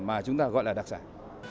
mà chúng ta gọi là đặc sản